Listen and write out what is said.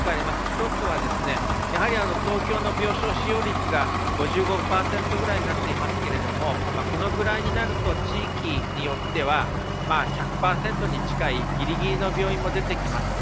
一つは、やはり東京の病床使用率が５５％ぐらいになっていますけれども、このぐらいになると、地域によっては１００％に近い、ぎりぎりの病院も出てきます。